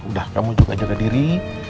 udah kamu juga jaga diri